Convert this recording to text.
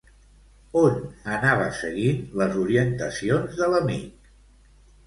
On anava seguint les orientacions de l'amic?